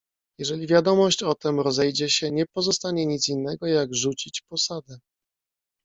"Jeżeli wiadomość o tem rozejdzie się, nie pozostanie nic innego, jak rzucić posadę."